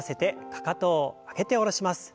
かかとを上げて下ろします。